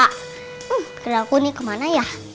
hmm dari aku nih kemana ya